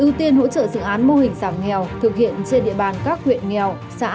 ưu tiên hỗ trợ dự án mô hình giảm nghèo thực hiện trên địa bàn các huyện nghèo xã